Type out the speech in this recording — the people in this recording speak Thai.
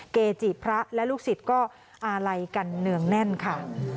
เกจิพระและลูกศิษย์ก็อาลัยกันเนืองแน่นค่ะ